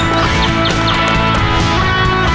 และ